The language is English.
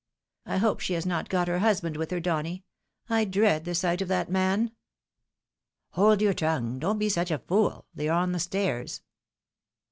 I hope she has not got her husband with her, Donny ! I dread the sight of that man." " Hold your tongue 1 Don't be such a fool ! They are on the stairs."